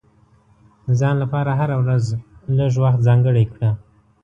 د ځان لپاره هره ورځ لږ وخت ځانګړی کړه.